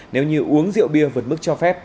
nếu như uống rượu bia vượt mức cho phép